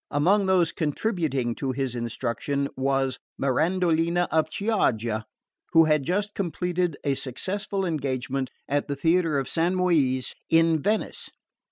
Among those contributing to his instruction was Mirandolina of Chioggia, who had just completed a successful engagement at the theatre of San Moise in Venice.